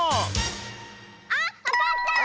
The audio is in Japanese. あわかった！